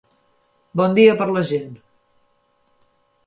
Bon dia per la gent.